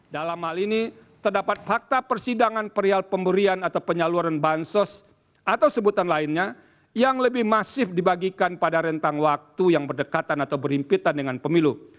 dalam hal ini terdapat fakta persidangan perial pemberian atau penyaluran bansos atau sebutan lainnya yang lebih masif dibagikan pada rentang waktu yang berdekatan atau berhimpitan dengan pemilu